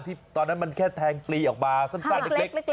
ตอนนั้นมันแค่แทงปลีออกมาสั้นเล็ก